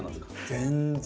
全然。